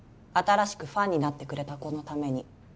「新しくファンになってくれた子のために」